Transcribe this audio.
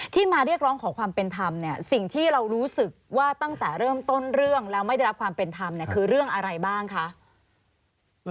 มาเรียกร้องขอความเป็นธรรมเนี่ยสิ่งที่เรารู้สึกว่าตั้งแต่เริ่มต้นเรื่องแล้วไม่ได้รับความเป็นธรรมเนี่ยคือเรื่องอะไรบ้างคะ